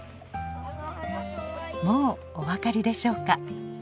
もうお分かりでしょうか。